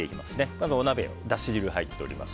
まず、お鍋にだし汁が入っています。